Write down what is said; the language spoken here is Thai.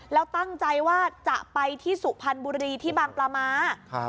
แล้วตั้งใจว่าจะไปที่สุพรรณบุรีที่บางปลาม้า